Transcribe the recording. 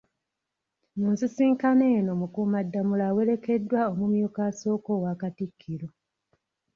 Mu nsisinkano eno Mukuumaddamula awerekeddwa omumyuka asooka owa Katikkiro